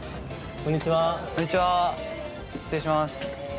こんにちは失礼します。